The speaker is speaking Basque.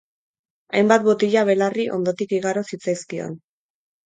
Hainbat botila belarri ondotik igaro zitzaizkion.